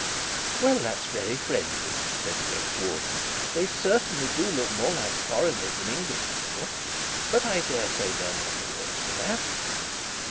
'Well, that's very friendly,' said the ex warden. 'They certainly do look more like foreigners than English people, but I dare say they are none the worse for that.'